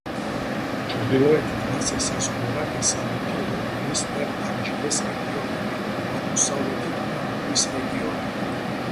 ჩრდილოეთით მას ესაზღვრება დასავლეთი ლოგონის და ტანჯილეს რეგიონები, აღმოსავლეთით მანდულის რეგიონი.